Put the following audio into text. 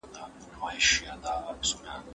د دغي غونډې مشري چا ته وسپارل سوه؟